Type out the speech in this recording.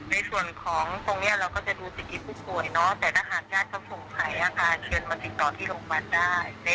ในส่วนของตรงนี้เราก็จะดูสิทธิผู้ป่วยเนาะแต่ถ้าหากญาติเขาสงสัยอาการเชิญมาติดต่อที่โรงพยาบาลได้